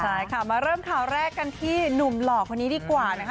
ใช่ค่ะมาเริ่มข่าวแรกกันที่หนุ่มหล่อคนนี้ดีกว่านะคะ